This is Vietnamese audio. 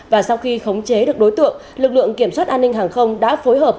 và sau khi khống chế được đối tượng lực lượng kiểm soát an ninh hàng không đã phối hợp